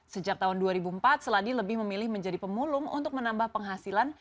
sejak tahun dua ribu empat seladi lebih memilih menjadi pemulung untuk menambah penghasilan